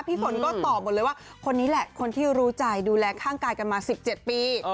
ฝนก็ตอบหมดเลยว่าคนนี้แหละคนที่รู้ใจดูแลข้างกายกันมา๑๗ปี